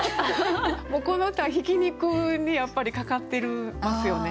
もうこの歌は挽き肉にやっぱりかかってるんですよね。